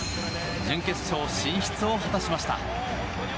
準決勝進出を果たしました。